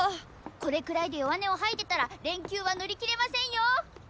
これくらいで弱音を吐いてたら連休は乗り切れませんよ！